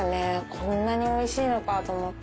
こんなにおいしいのかと思って。